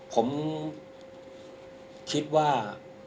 ผมคิดว่า